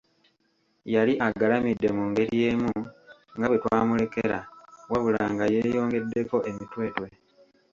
Yali agalamidde mu ngeri emu nga we twamulekera, wabula nga yeeyongeddeko emitwetwe.